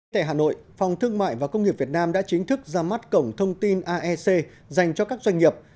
tại hà nội phòng thương mại và công nghiệp việt nam đã chính thức ra mắt cổng thông tin aec dành cho các doanh nghiệp